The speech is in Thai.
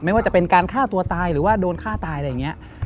ว่าจะเป็นการฆ่าตัวตายหรือว่าโดนฆ่าตายอะไรอย่างนี้